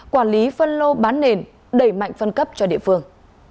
quản lý phân lô bán nền đẩy mạnh phân cấp cho địa phương